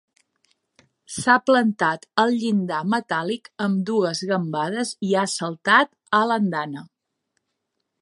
S'ha plantat al llindar metàl·lic amb dues gambades i ha saltat a l'andana.